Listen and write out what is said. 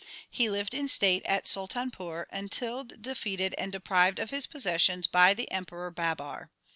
He lived in state at Sultanpur till defeated and deprived of his possessions by the Emperor Babar.